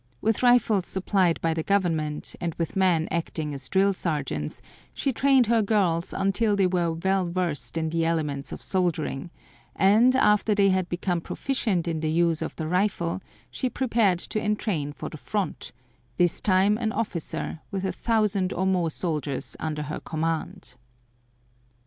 With rifles supplied by the Government, and with men acting as drill sergeants, she trained her girls until they were well versed in the elements of soldiering, and after they had become proficient in the use of the rifle she prepared to entrain for the front, this time an officer with a thousand or more soldiers under her command.